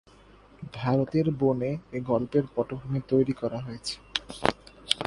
ভারতের বনে এ গল্পের পটভূমি তৈরী করা হয়েছে।